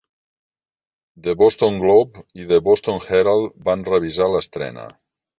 "The Boston Globe" i "The Boston Herald" van revisar l'estrena.